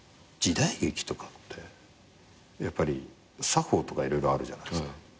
時代劇とかってやっぱり作法とか色々あるじゃないですか。